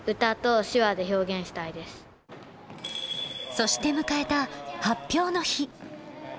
そして、迎えた発表の日。